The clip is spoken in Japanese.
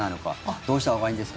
どうしたほうがいいんですか？